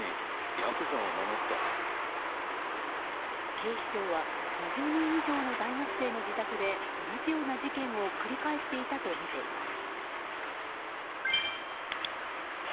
警視庁は２０人以上の大学生の自宅で同じような事件を繰り返していたとみています。